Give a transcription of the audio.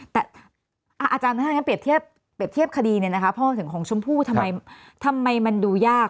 แต่อาจารย์น่าเปรียบเทียบคดีนี่นะคะเพราะถึงของชมผู้ทำไมมันดูยาก